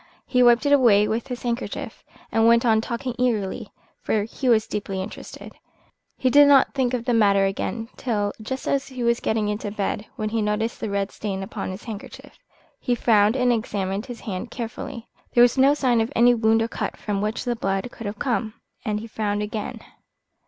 He wiped it away with his handkerchief, and went on talking eagerly, for he was deeply interested. He did not think of the matter again till just as he was getting into bed, when he noticed a red stain upon his handkerchief. He frowned and examined his hand carefully. There was no sign of any wound or cut from which the blood could have come, and he frowned again.